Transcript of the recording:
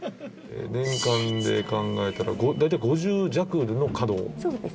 年間で考えたら大体５０弱の稼働ですね。